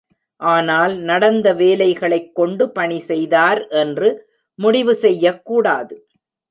ஆனால், நடந்த வேலைகளைக் கொண்டு பணி செய்தார் என்று முடிவு செய்யக்கூடாது.